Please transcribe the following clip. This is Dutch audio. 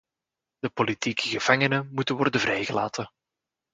De politieke gevangenen moeten worden vrijgelaten.